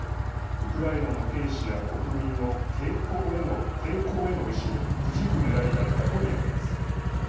ウクライナの兵士や国民の抵抗への意志をくじくねらいだったと見られます。